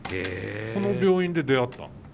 この病院で出会ったの？